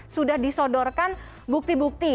sudah disodorkan bukti bukti